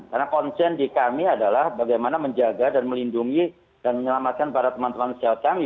karena konsen di kami adalah bagaimana menjaga dan melindungi dan menyelamatkan para teman teman sejawat kami